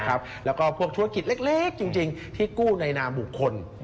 แล้วก็พวกธุรกิจเล็กจริงที่กู้ในนามบุคคล